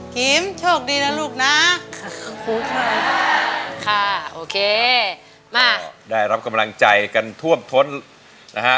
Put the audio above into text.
ทีมโชคดีนะลูกนะค่ะโอเคมาได้รับกำลังใจกันท่วมท้นนะฮะ